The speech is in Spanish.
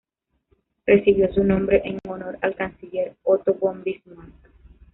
Recibió su nombre en honor al canciller Otto von Bismarck.